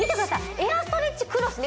エアーストレッチクロスね